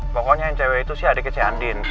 pokoknya yang cewek itu sih adik kece andin